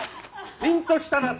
「ピンときたら」。